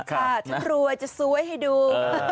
ค่ะถ้ารวยจะสวยให้ดู